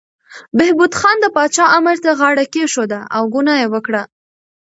بهبود خان د پاچا امر ته غاړه کېښوده او ګناه یې وکړه.